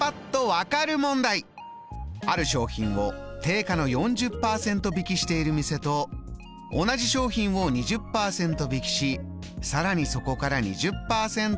「ある商品を定価の４０％引きしている店と同じ商品を２０％引きしさらにそこから２０％割引した店。